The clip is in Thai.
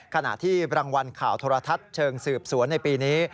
ขณะที่รางวัลข่าวโทรทัศน์เชิงสืบสวนในปีนี้